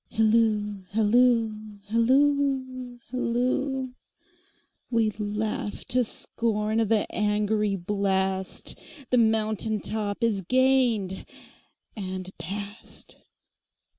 Hilloo, hilloo, hilloo, hilloo! We laugh to scorn the angry blast, The mountain top is gained and past.